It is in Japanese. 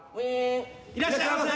いらっしゃいませ。